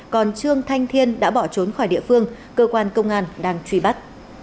còn trương thanh thiên đã bỏ trốn khỏi địa phương cơ quan công an đang truy bắt